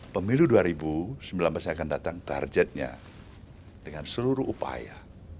pemilu dua ribu sembilan belas akan datang targetnya dengan seluruh upaya